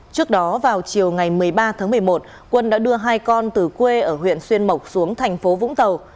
trước đó vào chiều ngày một mươi ba tháng một mươi một quân đã đưa hai con từ quê ở huyện xuyên mộc xuống thành phố vũng tàu